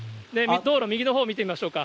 道路、右のほう見てみましょうか。